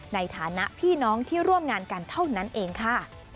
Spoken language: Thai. ในฐานะพี่น้องที่ร่วมงานกันเท่านั้นเองค่ะ